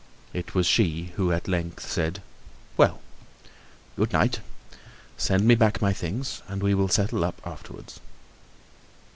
It was she who at length said: "Well! Good night; send me back my things and we will settle up afterwards."